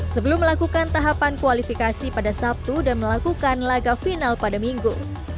sebelum melakukan tahapan kualifikasi pada sabtu dan melakukan laga final pada minggu